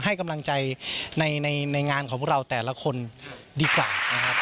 ให้กำลังใจในงานของพวกเราแต่ละคนดีกว่านะครับ